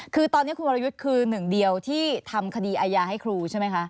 คือตอนนี้คุณวรยุทธ์คือหนึ่งเดียวที่ทำคดีอาญาให้ครูใช่ไหมคะ